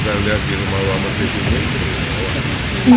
kalau saya lihat di rumah luar menteri sini lebih mewah